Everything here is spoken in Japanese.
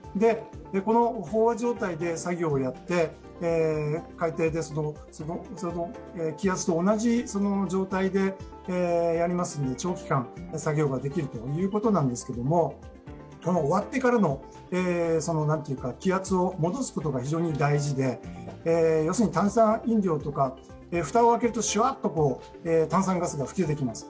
この飽和状態で作業をやって海底の気圧と同じ状態でやりますので、長期間作業ができるということなんですが終わってからの気圧を戻すことが非常に大事で、炭酸飲料とか、蓋を開けるとシュワッと炭酸飲料が噴き出てきます。